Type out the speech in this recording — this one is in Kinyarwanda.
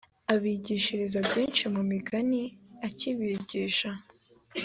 abigishiriza byinshi mu migani akibigisha